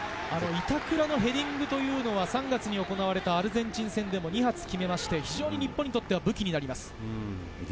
板倉のヘディングは３月に行われたアルゼンチン戦でも２発決めて、非常に日本にとっては武器になります。